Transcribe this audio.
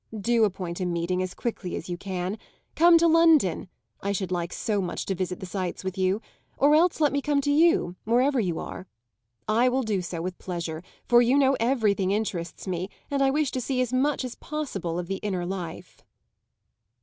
Do appoint a meeting as quickly as you can; come to London (I should like so much to visit the sights with you) or else let me come to you, wherever you are. I will do so with pleasure; for you know everything interests me and I wish to see as much as possible of the inner life."